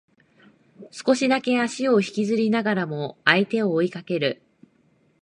少しだけ足を引きずりながらも相手を追いかける